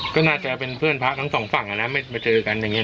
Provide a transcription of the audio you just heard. ก็น่าจะเป็นเพื่อนพระทั้งสองฝั่งนะไม่มาเจอกันอย่างนี้